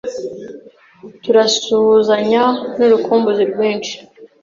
turasuhuzanya nurukumbuzi rwinshi